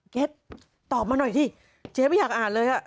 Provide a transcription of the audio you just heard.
เก็ตตอบมาหน่อยสิเจ๊ไม่อยากอ่านเลย